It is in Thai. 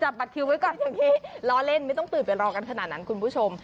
บัตรคิวไว้ก่อนอย่างนี้ล้อเล่นไม่ต้องตื่นไปรอกันขนาดนั้นคุณผู้ชม